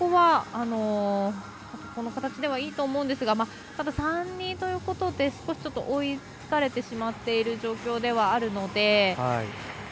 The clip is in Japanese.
この形ではいいと思うんですがただ３−２ということで少し追いつかれてしまっている状況ではあるので。